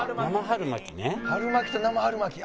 「春巻きと生春巻き。